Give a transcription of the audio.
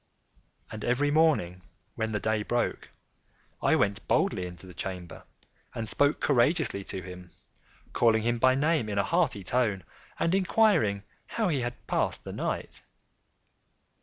And every morning, when the day broke, I went boldly into the chamber, and spoke courageously to him, calling him by name in a hearty tone, and inquiring how he has passed the night.